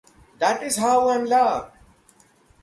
That is how I’m loved!